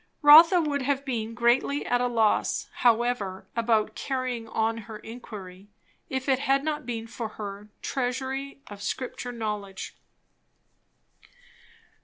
Rotha would have been greatly at a loss, however, about carrying on her inquiry, if it had not been for her "Treasury of Scripture Knowledge."